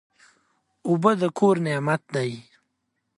اوبه د کور نعمت دی.